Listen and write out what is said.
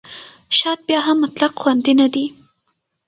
شات بیا هم مطلق خوندي نه دی.